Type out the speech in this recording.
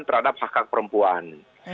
terhadap hak hak perempuan